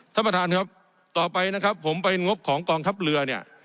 ท่านประธานครับต่อไปนะครับผมไปงบของกองทัพเรือเนี่ย